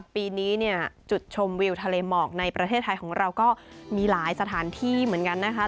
ปีนี้เนี่ยจุดชมวิวทะเลหมอกในประเทศไทยของเราก็มีหลายสถานที่เหมือนกันนะคะ